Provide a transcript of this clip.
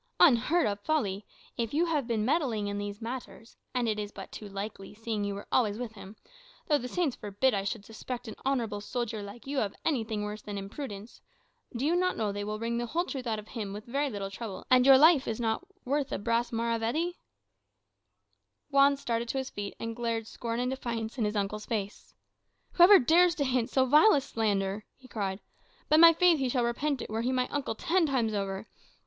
"Unheard of folly! If you have been meddling with these matters and it is but too likely, seeing you were always with him (though, the Saints forbid I should suspect an honourable soldier like you of anything worse than imprudence) do you not know they will wring the whole truth out of him with very little trouble, and your life is not worth a brass maravedì?" Juan started to his feet, and glared scorn and defiance in his uncle's face. "Whoever dares to hint so vile a slander," he cried, "by my faith he shall repent it, were he my uncle ten times over.